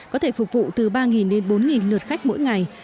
có thể phục vụ từ ba đến bốn lượt khách mỗi ngày